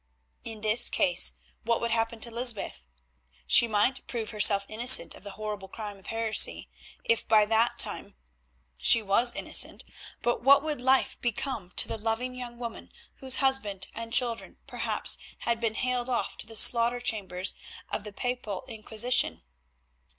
In this case, what would happen to Lysbeth? She might prove herself innocent of the horrible crime of heresy, if by that time she was innocent, but what would life become to the loving young woman whose husband and children, perhaps, had been haled off to the slaughter chambers of the Papal Inquisition?